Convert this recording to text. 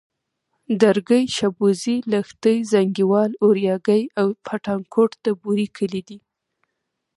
درگۍ، شبوزې، لښتي، زينگيوال، اورياگی او پټانکوټ د بوري کلي دي.